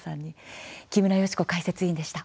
木村祥子解説委員でした。